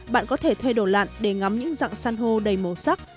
bạn có thể thuê đồ lặn để ngắm những dạng san hô đầy màu sắc